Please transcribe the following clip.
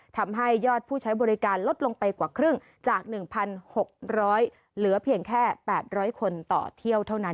ทำให้ยอดผู้ใช้บริการลดลงไปกว่าครึ่งจาก๑๖๐๐เหลือเพียงแค่๘๐๐คนต่อเที่ยวเท่านั้น